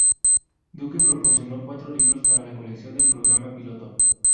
Duke proporcionó cuatro libros para la colección del programa piloto.